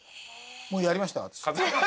もうやりました私。